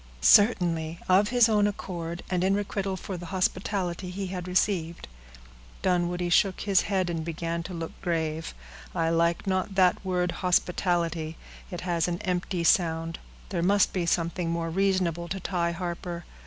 "Certainly, of his own accord and in requital for the hospitality he had received." Dunwoodie shook his head, and began to look grave. "I like not that word hospitality—it has an empty sound; there must be something more reasonable to tie Harper.